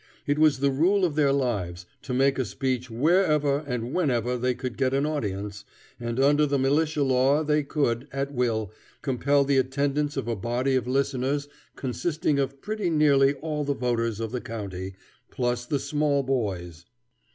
It was the rule of their lives to make a speech wherever and whenever they could get an audience, and under the militia law they could, at will, compel the attendance of a body of listeners consisting of pretty nearly all the voters of the county, plus the small boys.